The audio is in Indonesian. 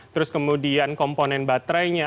terus kemudian komponen baterainya